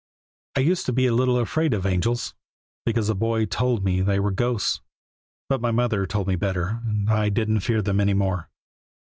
"I used to be a little afraid of the angels, because a boy told me they were ghosts; but my mother told me better, and I didn't fear them any more.